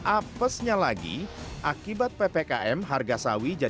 apesnya lagi akibat ppkm harga sawi jatuh